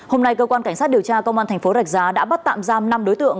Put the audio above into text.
hôm nay cơ quan cảnh sát điều tra công an thành phố rạch giá đã bắt tạm giam năm đối tượng